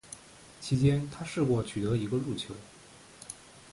其间他试过取得一个入球。